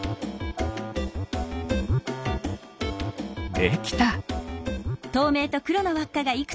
できた。